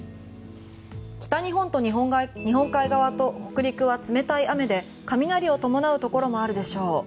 北日本の日本海側と北陸は冷たい雨で雷を伴うところがあるでしょう。